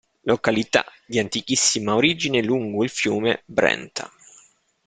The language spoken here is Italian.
Località di antichissima origine lungo il fiume Brenta.